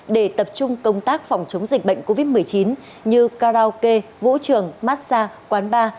để tập trung công tác phòng chống dịch bệnh covid một mươi chín như karaoke vũ trường massage quán bar